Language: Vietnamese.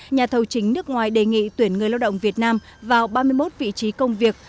nhà thầu chính nước ngoài đề nghị tuyển người lao động việt nam vào ba mươi một vị trí công việc